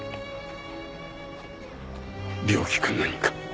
病気か何か？